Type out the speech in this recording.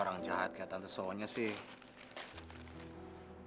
orang jahat kayak tante sonya sih